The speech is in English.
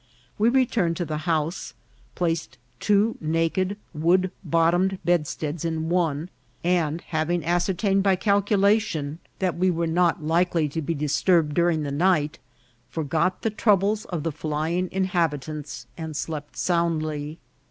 We returned to the house, placed two naked wooden bottomed bedsteads in one, and having ascertained by calculation that we were not 44 INCIDENTS OP TRAVEL. likely to be disturbed during the night, forgot the troub les of the flying inhabitants, and slept soundly.